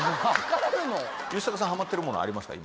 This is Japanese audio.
吉高さんハマってるものありますか？